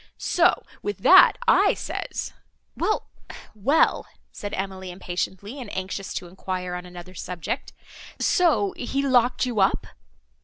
So, with that I says—" "Well, well," said Emily, impatiently, and anxious to enquire on another subject,—"so he locked you up?"